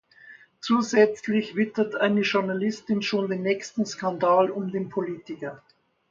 Zusätzlich wittert eine Journalistin schon den nächsten Skandal um den Politiker.